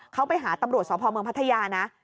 เขาไปหาตำรวจสพเมืองพัทยานะ